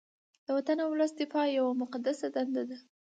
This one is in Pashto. د وطن او ولس دفاع یوه مقدسه دنده ده